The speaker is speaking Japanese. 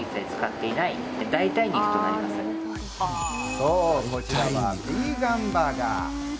そう、こちらヴィーガンバーガー。